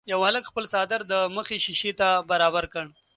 یوه هلک خپل څادر د مخې شيشې ته برابر کړ.